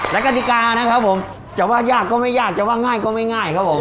และกฎิกานะครับผมจะว่ายากก็ไม่ยากจะว่าง่ายก็ไม่ง่ายครับผม